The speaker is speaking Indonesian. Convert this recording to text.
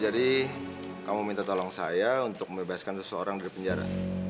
jadi kamu minta tolong saya untuk mebebaskan seseorang dari penjara